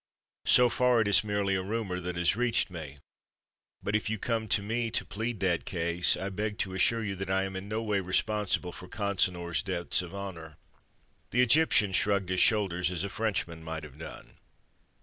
"So far, it is merely a rumor that has reached me; but if you come to me to plead that case, I beg to assure you that I am in no way responsible for Consinor's debts of honor." The Egyptian shrugged his shoulders as a Frenchman might have done.